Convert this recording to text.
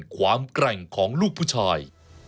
แกร่งของลูกผู้ชาย